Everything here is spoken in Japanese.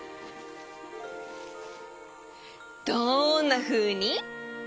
どんなふうに？